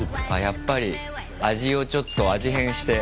やっぱり味をちょっと味変して。